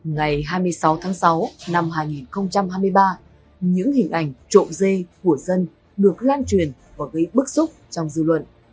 ngày hai mươi sáu tháng sáu năm hai nghìn hai mươi ba những hình ảnh trộm dê của dân được lan truyền và gây bức xúc trong dư luận